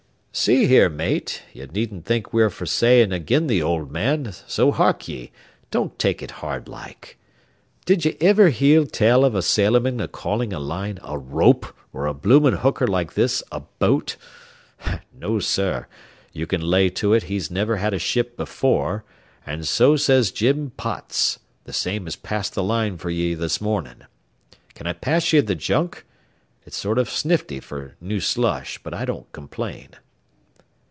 "See here, mate, ye needn't think we're fer sayin' agin the old man, so hark ye, don't take it hard like. Did ye iver hear tell av a sailorman a callin' a line a 'rope' or a bloomin' hooker like this a 'boat'? No, sir, ye can lay to it he's niver had a ship before; an' so says Jim Potts, the same as passed th' line fer ye this mornin'. Kin I pass ye the junk? It's sort o' snifty fer new slush, but I don't complain."